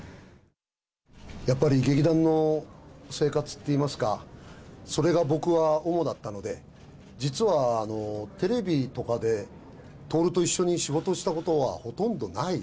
やっぱり劇団の生活っていいますか、それが僕は主だったので、実はテレビとかで徹と一緒に仕事したことはほとんどない。